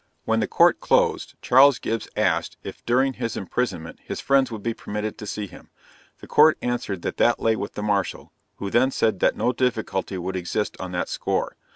When the Court closed, Charles Gibbs asked, if during his imprisonment, his friends would be permitted to see him. The Court answered that that lay with the Marshal, who then said that no difficulty would exist on that score.